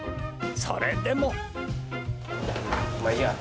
それでも。